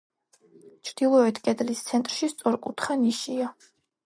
ჩრდილოეთ კედლის ცენტრში სწორკუთხა ნიშია.